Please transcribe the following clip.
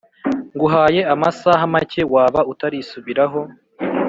nguhaye amasaha make waba utarisubiraho